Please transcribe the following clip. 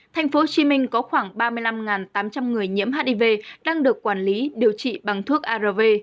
tp hcm có khoảng ba mươi năm tám trăm linh người nhiễm hiv đang được quản lý điều trị bằng thuốc arv